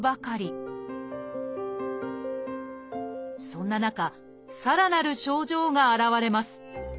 そんな中さらなる症状が現れます。